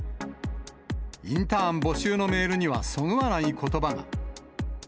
インターン募集のメールには、そぐわないことばが。